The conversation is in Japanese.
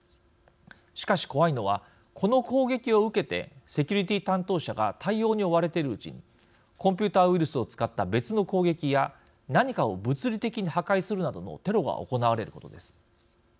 しかし、怖いのはこの攻撃を受けてセキュリティー担当者が対応に追われているうちにコンピューターウイルスを使った別の攻撃や何かを物理的に破壊するなどのテロが行われることです。